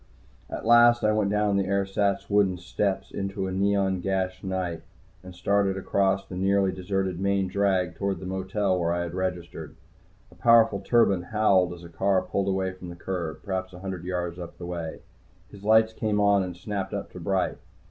At last I went down the ersatz wooden steps into the neon gashed night and started across the nearly deserted main drag toward the motel where I had registered. A powerful turbine howled as a car pulled away from the curb, perhaps a hundred yards up the way. His lights came on and snapped up to bright.